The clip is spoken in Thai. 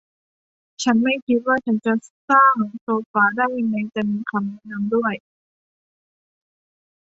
ฉันไม่คิดว่าฉันจะสร้างโซฟาได้แม้จะมีคำแนะนำด้วย